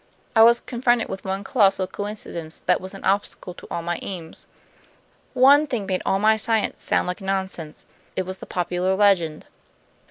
I was confronted with one colossal coincidence that was an obstacle to all my aims. One thing made all my science sound like nonsense. It was the popular legend.